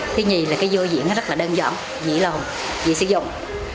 thứ hai là cái vô diễn rất là đơn giản dễ lòng dễ sử dụng